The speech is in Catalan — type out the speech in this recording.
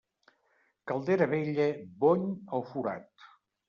Caldera vella, bony o forat.